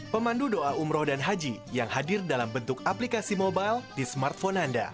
pemandu doa umroh dan haji yang hadir dalam bentuk aplikasi mobile di smartphone anda